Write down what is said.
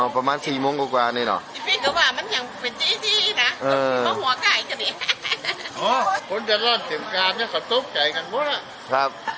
ประมาณจีบโมงกว่านี่หรอ